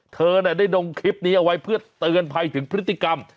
เธอได้ดงคลิปนี้เอาไว้เพื่อเตือนภัยถึงพฤติกรรม